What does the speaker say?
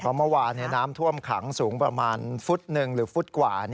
เพราะเมื่อวานน้ำท่วมขังสูงประมาณฟุตหนึ่งหรือฟุตกว่า